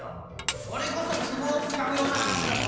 それこそ雲をつかむような話だど！